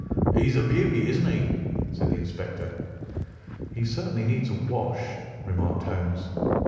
"He's a beauty, isn't he?" said the inspector. "He certainly needs a wash," remarked Holmes.